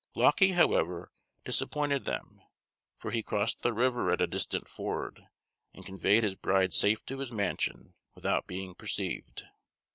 Lauckie, however, disappointed them; for he crossed the river at a distant ford, and conveyed his bride safe to his mansion without being perceived.